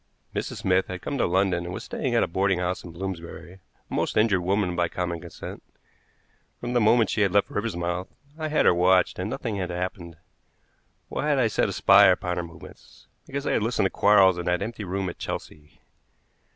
Mrs. Smith had come to London and was staying at a boarding house in Bloomsbury, a most injured woman by common consent. From the moment she had left Riversmouth I had had her watched, and nothing had happened. Why had I set a spy upon her movements? Because I had listened to Quarles in that empty room at Chelsea.